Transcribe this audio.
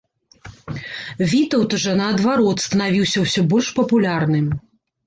Вітаўт жа, наадварот, станавіўся ўсё больш папулярным.